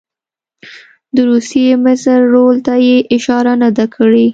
د روسیې مضر رول ته یې اشاره نه ده کړې.